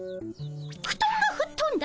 ふとんがふっとんだ。